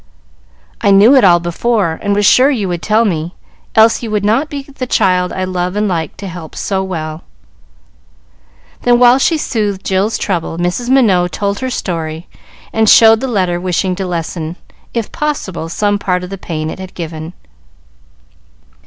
"I knew it all before, and was sure you would tell me, else you would not be the child I love and like to help so well." Then, while she soothed Jill's trouble, Mrs. Minot told her story and showed the letter, wishing to lessen, if possible, some part of the pain it had given.